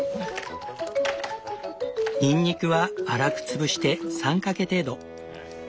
にんにくは粗く潰して３かけ程度。